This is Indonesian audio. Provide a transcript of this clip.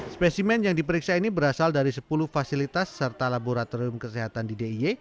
spesimen yang diperiksa ini berasal dari sepuluh fasilitas serta laboratorium kesehatan di diy